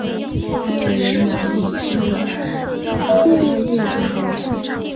白尾雷鸟以植物的花叶种子为食。